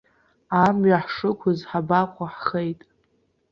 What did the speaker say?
Амҩа ҳшықәыз, ҳабаҟоу, ҳхеит.